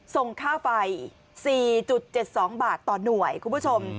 ส่งค่าไฟ๔๗๒บาทต่อหน่วยคุณผู้ชม